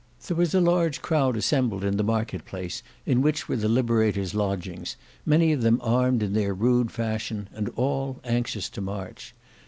There was a large crowd assembled in the Market Place, in which were the Liberator's lodgings, many of them armed in their rude fashion, and all anxious to march.